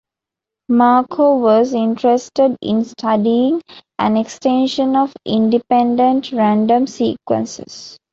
Markov was interested in studying an extension of independent random sequences.